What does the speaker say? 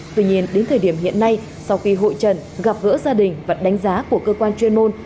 tuy nhiên đến thời điểm hiện nay sau khi hội trần gặp gỡ gia đình và đánh giá của cơ quan chuyên môn